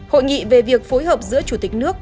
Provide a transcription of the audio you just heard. hội nghị về việc phối hợp giữa chủ tịch nước